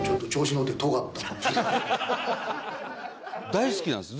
大好きなんですよ。